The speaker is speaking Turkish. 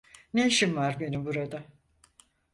Ne işim var benim burada?